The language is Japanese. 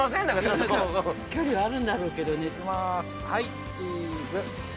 はいチーズ！